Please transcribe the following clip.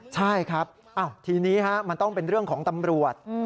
ใช่ครับทีนี้มันต้องเป็นเรื่องของตำรวจ